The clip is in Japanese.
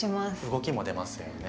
動きも出ますよね。